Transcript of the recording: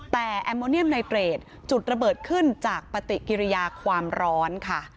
แต่แอมโมเนียมไนเตรดจุดระเบิดขึ้นจากปฏิกิริยาความร้อนค่ะ